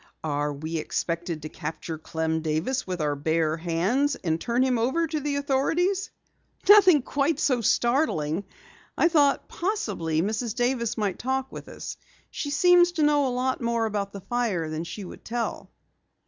"Are we expected to capture Clem Davis with our bare hands and turn him over to the authorities?" "Nothing quite so startling. I thought possibly Mrs. Davis might talk with us. She seemed to know a lot more about the fire than she would tell."